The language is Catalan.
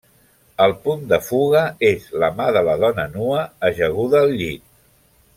El punt de fuga és la mà de la dona nua ajaguda al llit.